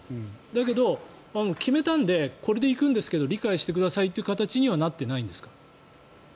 だけど、決めたんでこれで行くんですが理解してくださいという形にはなってないんですか？